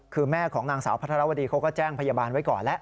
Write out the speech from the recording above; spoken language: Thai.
คือแม่ของนางสาวพัทรวดีเขาก็แจ้งพยาบาลไว้ก่อนแล้ว